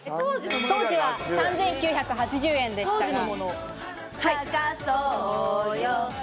当時は３９８０円でしたが。